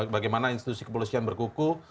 bagaimana institusi kepolisian berkuku